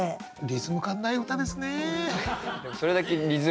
リズム感ない歌ですね。